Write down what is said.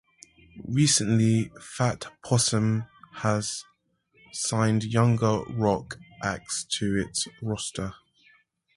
Recently, Fat Possum has signed younger rock acts to its roster.